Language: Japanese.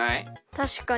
たしかに。